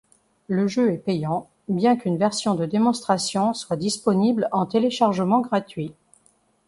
Le jeu est payant, bien qu'une version de démonstration soit disponible en téléchargement gratuit.